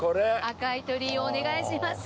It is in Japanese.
赤い鳥居をお願いします。